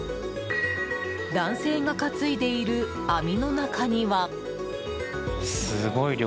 男性が担いでいる網の中には。